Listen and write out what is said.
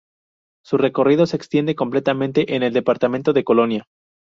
Su recorrido se extiende completamente en el departamento de Colonia.